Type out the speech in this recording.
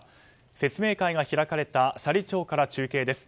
説明会が開かれた斜里町から中継です。